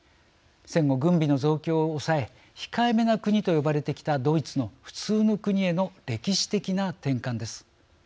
戦後軍備の増強を抑え控えめな国と呼ばれてきたドイツの普通の国への歴史的な転換です。